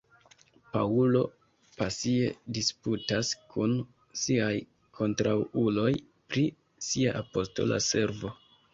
Paŭlo pasie disputas kun siaj kontraŭuloj pri sia apostola servo.